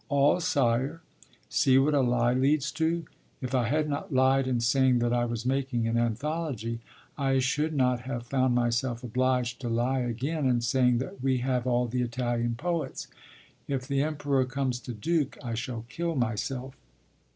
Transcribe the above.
'All, sire.' See what a lie leads to. If I had not lied in saying that I was making an anthology, I should not have found myself obliged to lie again in saying that we have all the Italian poets. If the Emperor comes to Dux, I shall kill myself.